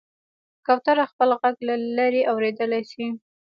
کوتره خپل غږ له لرې اورېدلی شي.